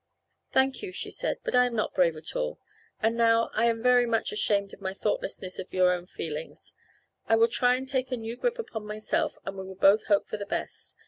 "Thank you," she said, "but I am not brave at all, and now I am very much ashamed of my thoughtlessness for your own feelings. I will try and take a new grip upon myself and we will both hope for the best.